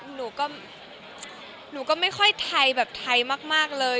หนูก็หนูก็ไม่ค่อยไทยแบบไทยมากเลย